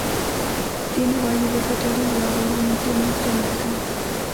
Tiene tallo verde claro y glabro muy tierno y ramificado.